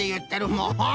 もう！